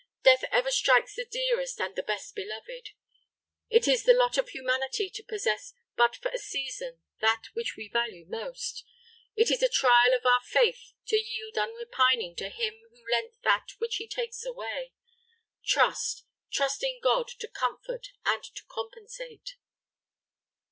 Death ever strikes the dearest and the best beloved. It is the lot of humanity to possess but for a season that which we value most. It is a trial of our faith to yield unrepining to him who lent that which he takes away. Trust trust in God to comfort and to compensate!"